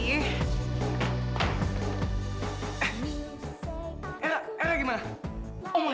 eh elak elak gimana